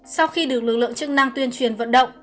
sau khi được lực lượng chức năng tuyên truyền vận động